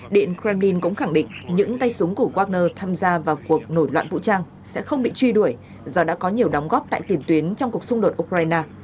điện kremlin cũng khẳng định những tay súng của wagner tham gia vào cuộc nổi loạn vũ trang sẽ không bị truy đuổi do đã có nhiều đóng góp tại tiền tuyến trong cuộc xung đột ukraine